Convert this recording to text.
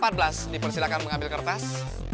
dipersilakan mengambil kertas